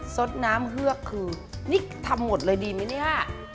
สดน้ำเฮือกคือนี่ทำหมดเลยดีไหมเนี่ย